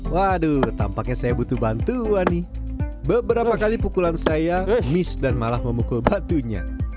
waduh tampaknya saya butuh bantuan nih beberapa kali pukulan saya miss dan malah memukul batunya